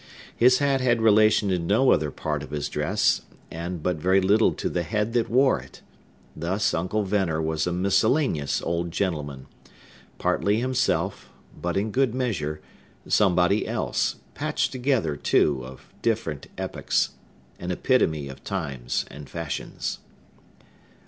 His hat had relation to no other part of his dress, and but very little to the head that wore it. Thus Uncle Venner was a miscellaneous old gentleman, partly himself, but, in good measure, somebody else; patched together, too, of different epochs; an epitome of times and fashions.